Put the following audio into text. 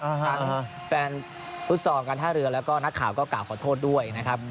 ทางแฟนฟุตซอลการท่าเรือแล้วก็นักข่าวก็กล่าวขอโทษด้วยนะครับ